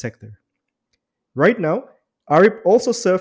sekarang arief juga berpengalaman sebagai